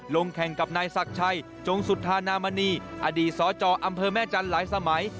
ลงแข่งกับนายศักดิ์ชัยจงสุธานามณีอดีตสจอำเภอแม่จันทร์หลายสมัย